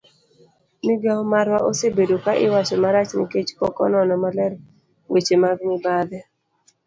migao marwa osebedo ka iwacho marach nikech pok onono maler weche mag mibadhi